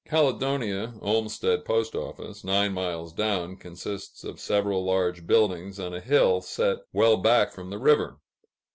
Caledonia (Olmstead P.O.), nine miles down, consists of several large buildings on a hill set well back from the river.